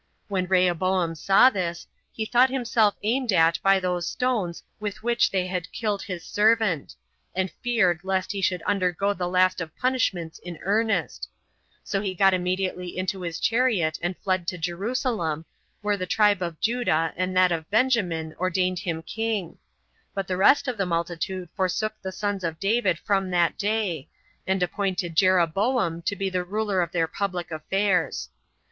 When Rehoboam saw this, he thought himself aimed at by those stones with which they had killed his servant, and feared lest he should undergo the last of punishments in earnest; so he got immediately into his chariot, and fled to Jerusalem, where the tribe of Judah and that of Benjamin ordained him king; but the rest of the multitude forsook the sons of David from that day, and appointed Jeroboam to be the ruler of their public affairs.